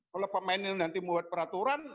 kalau pemain ini nanti membuat peraturan